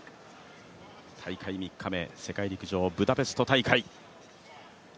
大会３日目、世界陸上ブダペスト大会。